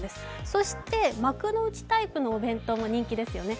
そして幕の内タイプのお弁当も人気ですよね。